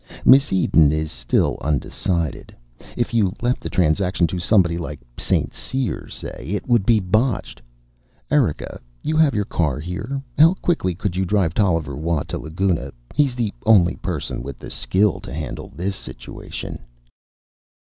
"Miss Eden is still undecided. If you left the transaction to somebody like St. Cyr, say, it would be botched. Erika, you have your car here? How quickly could you drive Tolliver Watt to Laguna? He's the only person with the skill to handle this situation."